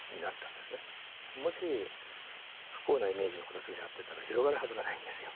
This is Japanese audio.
もし不幸なイメージの子たちがやってたら広がるはずがないんですよ。